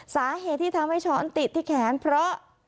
สาเหตุที่ทำให้ช้อนติดที่แขนเพราะ